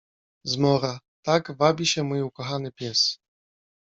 Zmora - tak wabi się mój ukochany pies!